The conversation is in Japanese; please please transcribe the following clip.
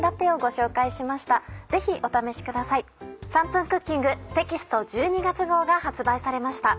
『３分クッキング』テキスト１２月号が発売されました。